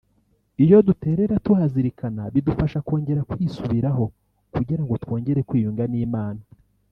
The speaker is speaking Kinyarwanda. iyo duterera tuhazirikana bidufasha kongera kwisubiraho kugira ngo twongere kwiyunga n’Imana